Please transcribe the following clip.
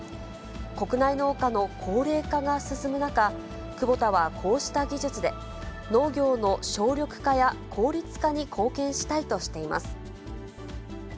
国内農家の高齢化が進む中、クボタはこうした技術で、農業の省力化や効率化に貢献したいとしています。